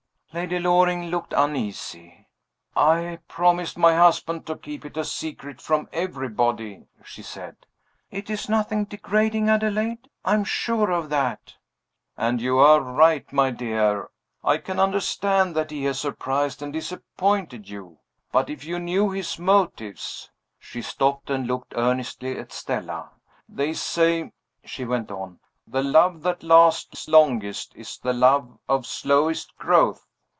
Lady Loring looked uneasy. "I promised my husband to keep it a secret from everybody," she said. "It is nothing degrading, Adelaide I am sure of that." "And you are right, my dear. I can understand that he has surprised and disappointed you; but, if you knew his motives " she stopped and looked earnestly at Stella. "They say," she went on, "the love that lasts longest is the love of slowest growth.